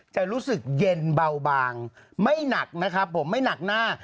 จะรู้สึกเย็นเบาบางไม่หนักนะครับผมไม่หนักหน้า